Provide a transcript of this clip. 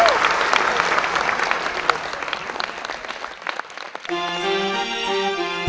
โชคดีครับ